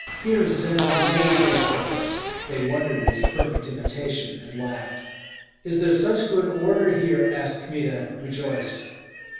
Here Zend neighed like a horse; they wondered at his perfect imitation, and laughed. "Is there such good order here?" asked Kmita, rejoiced.